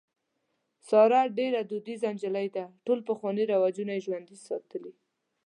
ساره ډېره دودیزه نجلۍ ده. ټول پخواني رواجونه یې ژوندي ساتلي.